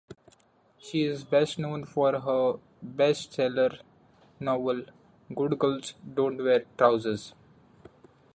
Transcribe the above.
She is best known for her best seller novel "Good girls don't wear trousers".